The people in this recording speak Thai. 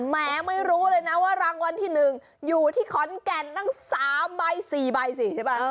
แม้ไม่รู้เลยนะว่ารางวัลที่๑อยู่ที่ขอนแก่นตั้ง๓ใบ๔ใบสิใช่ป่ะ